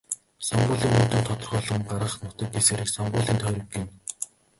Сонгуулийн үр дүнг тодорхойлон гаргах нутаг дэвсгэрийг сонгуулийн тойрог гэнэ.